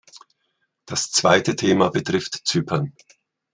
Das zweite Thema betrifft Zypern.